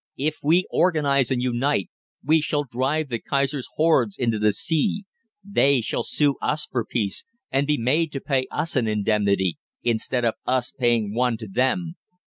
If we organise and unite, we shall drive the Kaiser's hordes into the sea. They shall sue us for peace, and be made to pay us an indemnity, instead of us paying one to them.